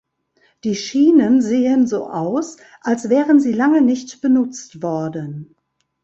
Die Schienen sehen so aus, als wären sie lange nicht benutzt worden.